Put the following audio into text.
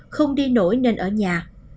không đi nổi nên ở nhà